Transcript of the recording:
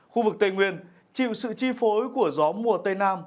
khu vực tây nguyên chịu sự chi phối của gió mùa tây nam